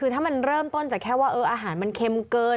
คือถ้ามันเริ่มต้นจากแค่ว่าอาหารมันเค็มเกิน